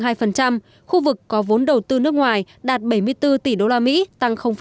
khu vực có vốn đầu tư nước ngoài đạt bảy mươi bốn tỷ đô la mỹ tăng chín